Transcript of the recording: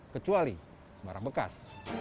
kecuali barang bekas